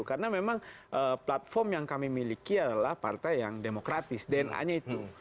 karena memang platform yang kami miliki adalah partai yang demokratis dna nya itu